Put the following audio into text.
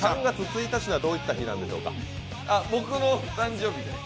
３月１日は、どういった日なんでしょうか。